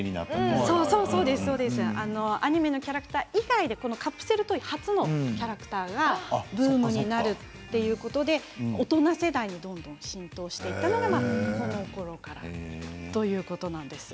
アニメのキャラクター以外でカプセルトイ発のキャラクターがブームになるということで大人世代にどんどん浸透していったのがこのころからということなんです。